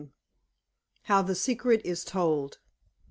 HOW THE SECRET IS TOLD.